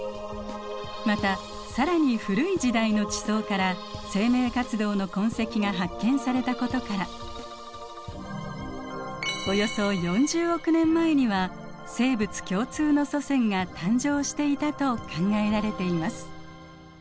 また更に古い時代の地層から生命活動の痕跡が発見されたことからおよそ４０億年前には生物共通の祖先が誕生していたと考えられています。